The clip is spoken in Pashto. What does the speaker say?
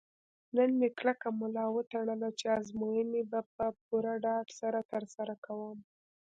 نن مې کلکه ملا وتړله چې ازموینې به په پوره ډاډ سره ترسره کوم.